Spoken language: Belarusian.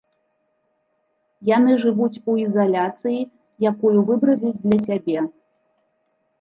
Яны жывуць у ізаляцыі, якую выбралі для сябе.